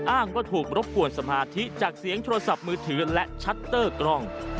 อ้างว่าถูกรบกวนสมาธิจากเสียงโทรศัพท์มือถือและชัตเตอร์กล้อง